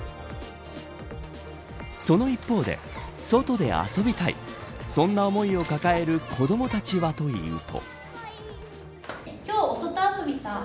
その一方で外で遊びたいそんな思いを抱える子どもたちはというと。